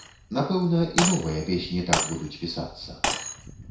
Напэўна, і новыя песні так будуць пісацца.